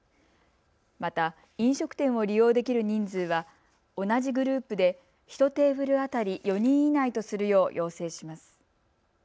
また、飲食店を利用できる人数は同じグループで１テーブル当たり４人以内とするよう要請します。